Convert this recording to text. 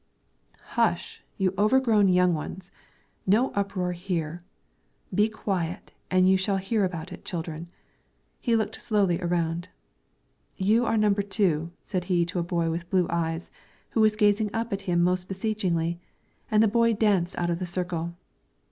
"Hush! you overgrown young ones! No uproar here! Be quiet and you shall hear about it, children." He looked slowly around. "You are number two," said he to a boy with blue eyes, who was gazing up at him most beseechingly; and the boy danced out of the circle.